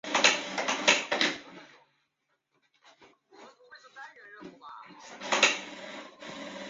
世界各国在日本水俣病事件后逐渐开始了解汞的危害。